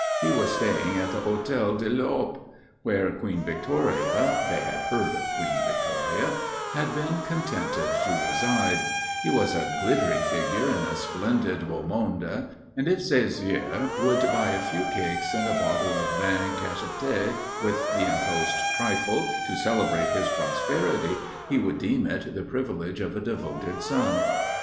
He was staying at the Hôtel de l'Europe, where Queen Victoria (they had heard of Queen Victoria) had been contented to reside, he was a glittering figure in a splendid beau monde, and if ses vieux would buy a few cakes and a bottle of vin cacheté with the enclosed trifle, to celebrate his prosperity, he would deem it the privilege of a devoted son.